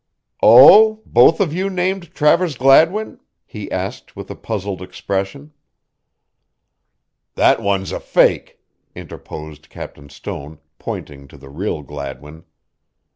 "Oh, both of you named Travers Gladwin?" he asked with a puzzled expression. "That one's a fake," interposed Captain Stone, pointing to the real Gladwin.